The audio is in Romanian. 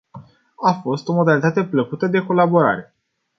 A fost o modalitate plăcută de colaborare.